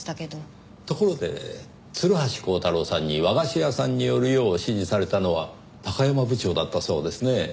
ところで鶴橋光太郎さんに和菓子屋さんに寄るよう指示されたのは山部長だったそうですね。